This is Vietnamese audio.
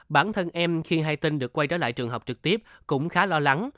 bản thân em khi hay tinh được quay trở lại trường học trực tiếp cũng khá lo lắng